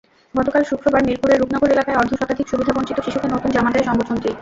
গতকাল শুক্রবার মিরপুরের রূপনগর এলাকায় অর্ধশতাধিক সুবিধাবঞ্চিত শিশুকে নতুন জামা দেয় সংগঠনটি।